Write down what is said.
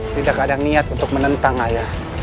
tidak ada niat untuk menentang ayah